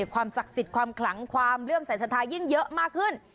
ความศักดิ์สิทธิ์ความขลังความเลื่อมสายศรัทธายิ่งเยอะมากขึ้น